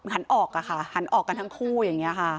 หันออกอะค่ะหันออกกันทั้งคู่อย่างนี้ค่ะ